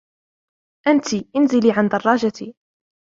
أنتِ، انزلي عن درّاجتي.